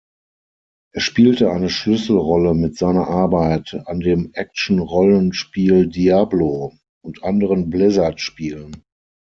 Er spielte eine Schlüsselrolle mit seiner Arbeit an dem Action-Rollenspiel Diablo und anderen Blizzard-Spielen.